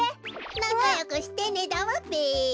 なかよくしてねだわべ。